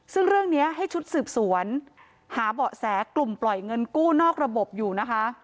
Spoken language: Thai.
ซึ่งเรื่องนี้ให้ชุดสืบสวนหาเบาะแสกลุ่มปล่อยเงินกู้นอกระบบอยู่นะคะ